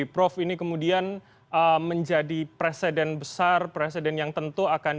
prof ini kemudian menjadi presiden besar presiden yang tentu akan